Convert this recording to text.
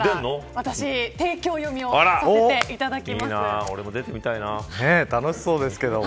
私、提供読みをさせていただきます。